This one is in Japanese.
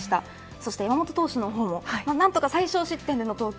そして山本投手の方も何とか最少失点での投球。